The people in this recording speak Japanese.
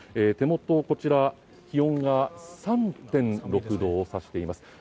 手元、こちら気温が３．６度を指しています。